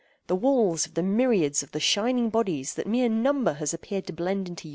—the walls of the myriads of the shining bodies that mere number has appeared to blend into unity?